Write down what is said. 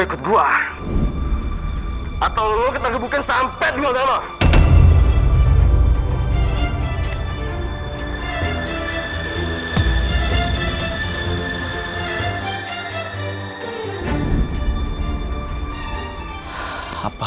atau lu ketakubukan sampet dengan zama